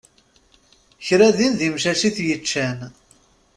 Kra din d imcac i t-yeččan.